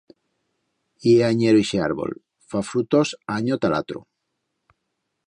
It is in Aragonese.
Ye anyero ixe árbol, fa frutos anyo ta l'atro.